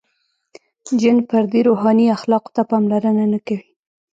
• جن فردي روحاني اخلاقو ته پاملرنه نهکوي.